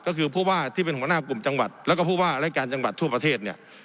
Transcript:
ก็คือผู้ว่าที่เป็นหัวหน้ากลุ่มจังหวัดแล้วก็ผู้ว่ารายการจังหวัดทั่วประเทศเนี่ย